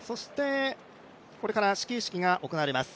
これから始球式が行われます。